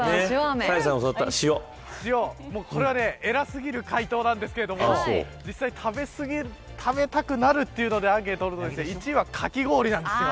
これは偉すぎる回答なんですけど実際食べたくなるというのでアンケートを取ると１位はかき氷なんですよ。